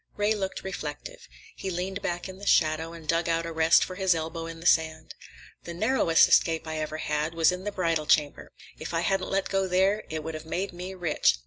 Ray looked reflective. He leaned back in the shadow and dug out a rest for his elbow in the sand. "The narrowest escape I ever had, was in the Bridal Chamber. If I hadn't let go there, it would have made me rich.